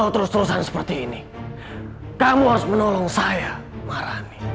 terus terusan seperti ini kamu harus menolong saya marani